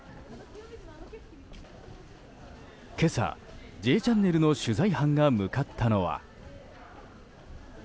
今朝、「Ｊチャンネル」の取材班が向かったのは。